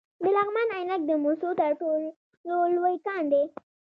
د لغمان عينک د مسو تر ټولو لوی کان دی